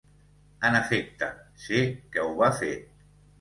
En efecte, sé que ho va fer.